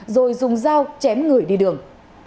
rồi dùng dao chém người đi đường